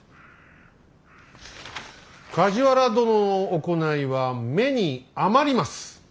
梶原殿の行いは目に余ります。